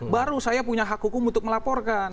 baru saya punya hak hukum untuk melaporkan